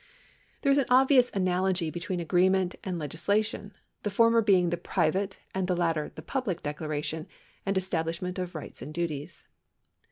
^ There is an obvious analogy between agreement and legis lation— the former being the private and the latter the public declaration and establishment of rights and duties.